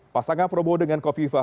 pasangan prabowo dengan kofifa